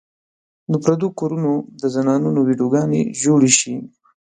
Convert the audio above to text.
د پردو کورونو د زنانو ويډيو ګانې جوړې شي